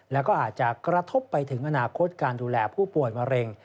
แล้วก็อาจจะกระทบไปถึงอนาคตการดูแลผู้ป่วยมะเร็ง